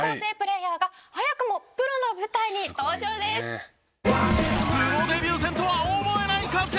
さあ続いてはプロデビュー戦とは思えない活躍！